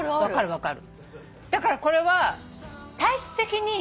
分かる！